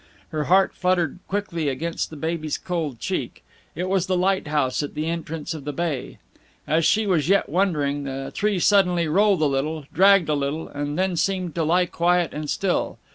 Her heart fluttered quickly against the baby's cold cheek. It was the lighthouse at the entrance of the bay. As she was yet wondering, the tree suddenly rolled a little, dragged a little, and then seemed to lie quiet and still.